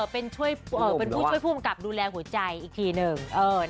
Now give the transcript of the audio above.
เป็นผู้ช่วยโดยดูแลหัวใจอีกทีนึง